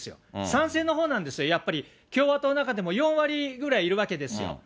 賛成の方なんですよ、やっぱり、共和党の中でも４割ぐらいいるわけですよ。